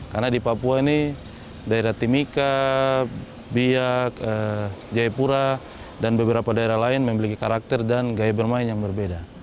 karena di papua ini daerah timika biak jayapura dan beberapa daerah lain memiliki karakter dan gaya bermain yang berbeda